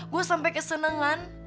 gue sampai kesenengan